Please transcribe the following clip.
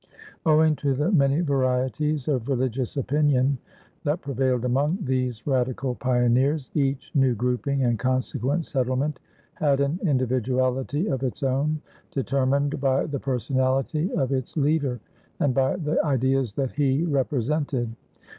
Owing to the many varieties of religious opinion that prevailed among these radical pioneers, each new grouping and consequent settlement had an individuality of its own, determined by the personality of its leader and by the ideas that he represented.